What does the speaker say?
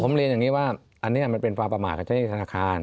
ผมเรียนอย่างนี้ว่าอันนี้มันเป็นฟาประมาทของเจ้าหน้าค้า